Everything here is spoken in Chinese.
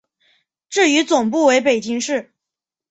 至于总部为北京市。